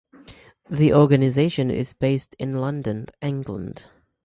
The organisation is based in London, England.